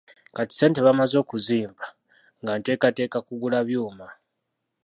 Kati ssente bamaze okuzimpa, nga nteekateeka kugula byuma.